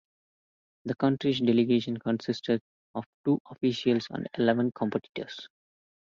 The country's delegation consisted of two officials and eleven competitors.